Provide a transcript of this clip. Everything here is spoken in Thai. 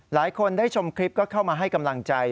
หลายคนได้ชมคลิปก็เข้ามาให้กำลังใจ